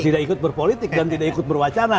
tidak ikut berpolitik dan tidak ikut berwacana